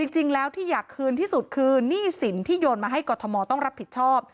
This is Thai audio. จริงแล้วที่อยากคืนที่สุดคือหนี้สินที่โยนมาให้กรทมต้องรับผิดชอบ